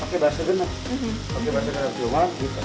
pakai basa genut cuma dipadu dengan daging ayam yang sudah dicincangkan ya